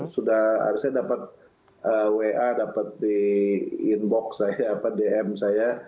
sudah harus saya dapat wa dapat di inbox saya dm saya